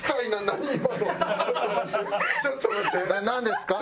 何？